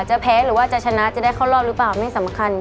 แพ้หรือว่าจะชนะจะได้เข้ารอบหรือเปล่าไม่สำคัญ